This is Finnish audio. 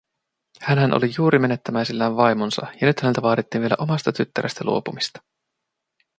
Hänhän oli juuri menettämäisillään vaimonsa, ja nyt häneltä vaadittiin vielä omasta tyttärestä luopumista.